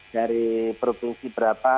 dari provinsi berapa